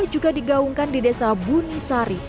juga digaungkan di desa bunisari